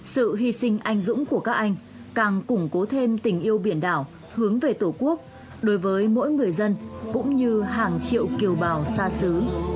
sự hy sinh anh dũng của các anh càng củng cố thêm tình yêu biển đảo hướng về tổ quốc đối với mỗi người dân cũng như hàng triệu kiều bào xa xứ